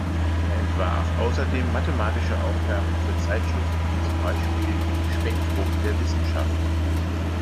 Er entwarf außerdem mathematische Aufgaben für Zeitschriften wie zum Beispiel "Spektrum der Wissenschaft.